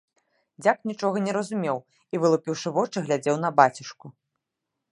Дзяк нічога не разумеў і, вылупіўшы вочы, глядзеў на бацюшку.